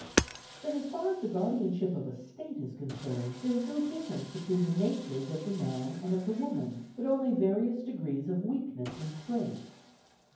' Then, as far as the guardianship of a state is con cerned, there is no difference between the natures of the man and of the woman, but only various degrees of weakness and strength